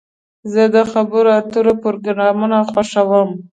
زه د خبرو اترو پروګرامونه خوښوم.